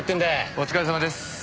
お疲れさまです。